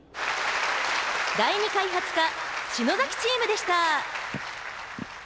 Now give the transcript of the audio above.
第二開発課篠崎チームでした。